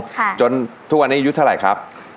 ค่ะจนทุกวันนี้ยุทธ์เท่าไหร่ครับ